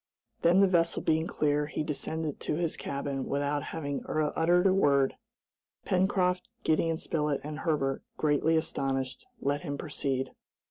Then the vessel being clear, he descended to his cabin without having uttered a word. Pencroft, Gideon Spilett, and Herbert, greatly astonished, let him proceed.